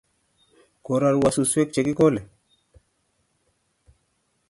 Korarwo suswek che kekole